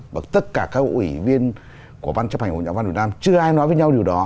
và tất cả các ủy viên của ban chấp hành của nhà văn việt nam chưa ai nói với nhau điều đó